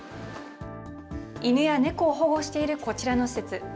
犬や猫を保護しているこちらの施設。